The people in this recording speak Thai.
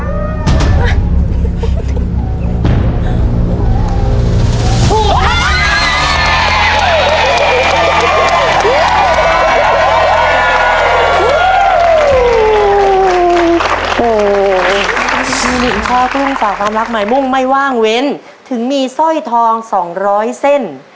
อีกข้อที่ต้องฝากความรักหมายมุ่งไม่ว่างเว้นถึงมีสร้อยทองสองร้อยเส้น